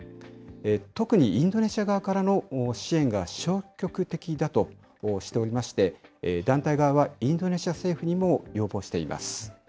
特にインドネシア側からの支援が消極的だとしておりまして、団体側はインドネシア政府にも要望しています。